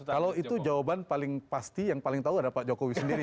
kalau itu jawaban paling pasti yang paling tahu ada pak jokowi sendiri